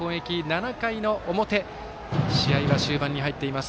７回の表試合は終盤に入っています。